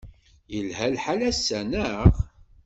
Yelha lḥal ass-a, naɣ?